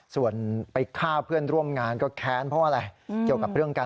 ส่วนไปฆ่าเพื่อนร่วมงานเนี่ย